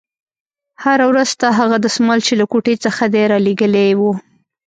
هره ورځ ستا هغه دسمال چې له کوټې څخه دې رالېږلى و.